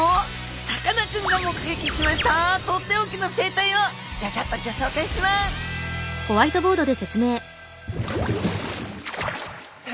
さかなクンが目撃しましたとっておきの生態をギョギョッとギョ紹介します！